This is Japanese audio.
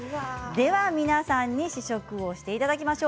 皆さんに試食していただきましょう。